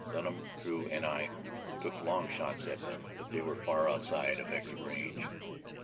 Dunham, Drew, and I took long shots at them, but they were far outside effective range.